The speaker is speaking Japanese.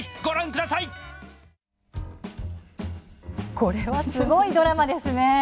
これはすごいドラマですね。